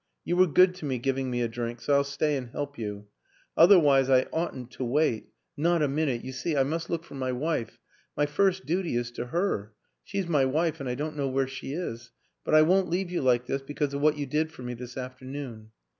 You were good to me giving me a drink, so I'll stay and help you. Otherwise I oughtn't to wait, not 130 WILLIAM AN ENGLISHMAN a minute you see, I must look for my wife. My first duty is to her she's my wife and I don't know where she is. But I won't leave you like this because of what you did for me this after noon."